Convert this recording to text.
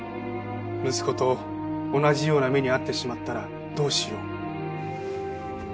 息子と同じような目に遭ってしまったらどうしよう。